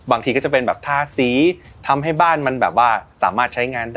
บางทีก็จะเป็นแบบทาสีทำให้บ้านมันแบบว่าสามารถใช้งานได้